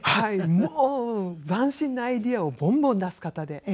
もう斬新なアイデアをボンボン出す方で。